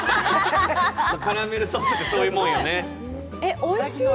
カラメルソースってそういうもんよね。